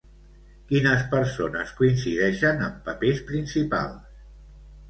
Quines persones coincideixen en papers principals?